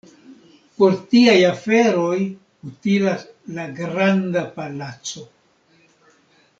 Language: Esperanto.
Por tiaj aferoj utilas la Granda Palaco.